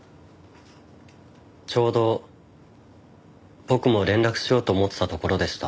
ちょうど僕も連絡しようと思ってたところでした。